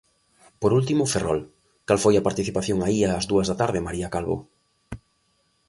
Por último Ferrol, cal foi a participación aí ás dúas da tarde, María Calvo?